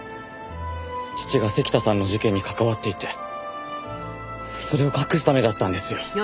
父が関田さんの事件に関わっていてそれを隠すためだったんですよ。